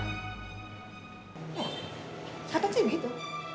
eh katanya begitu